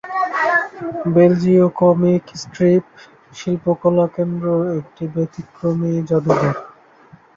বেলিজীয় comic strip শিল্পকলা কেন্দ্র একটি ব্যতিক্রমী জাদুঘর।